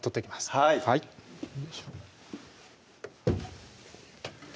はいはいよいしょ